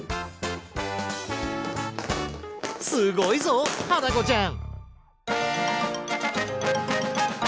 すごいぞはなこちゃん！